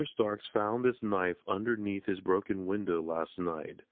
Starks found this knife underneath his broken window last night.